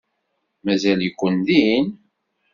Mazal-iken din?